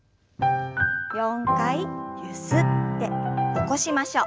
４回ゆすって起こしましょう。